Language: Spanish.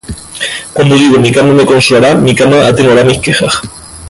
Cuando digo: Mi cama me consolará, Mi cama atenuará mis quejas;